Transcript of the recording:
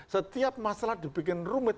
setiap masalah dibikin rumit